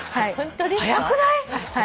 早くない？